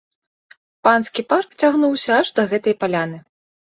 Панскі парк цягнуўся аж да гэтай паляны.